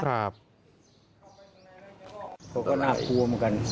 เขาก็น่ากลัวเหมือนกัน